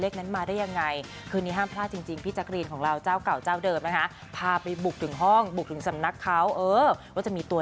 ใกล้สิ้นปีสิ้นเดือนแบบนี้